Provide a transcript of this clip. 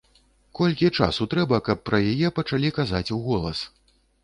Колькі часу трэба, каб пра яе пачалі казаць уголас?